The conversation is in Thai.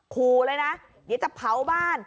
ขู่เลยนะเดี๋ยวจะเผาบ้าน